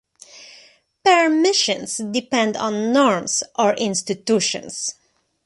Permissions depend on norms or institutions.